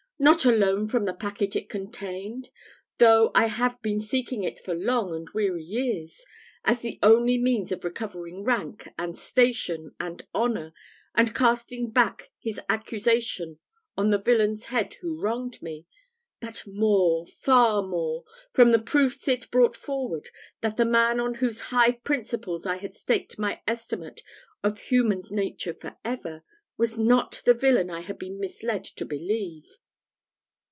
Not alone from the packet it contained though I have been seeking it for long and weary years, as the only means of recovering rank, and station, and honour, and casting back his accusation on the villain's head who wronged me but more, far more, from the proofs it brought forward, that the man on whose high principles I had staked my estimate of human nature for ever, was not the villain I had been misled to believe."